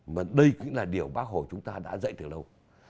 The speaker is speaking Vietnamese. mà đây cũng là điều bác hồ chúng ta đã dạy từ lâu